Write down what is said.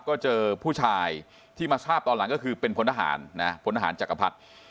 ก็เจอผู้ชายที่มาทราบตอนหลังก็คือเป็นพลทหารนะพลทหารจักรพรรดิ